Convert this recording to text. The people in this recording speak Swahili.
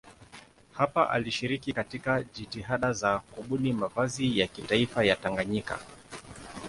Hapa alishiriki katika jitihada za kubuni mavazi ya kitaifa ya Tanganyika.